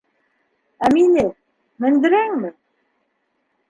Ә мине... мендерәңме?